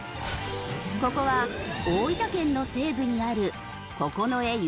ここは大分県の西部にある九重“夢”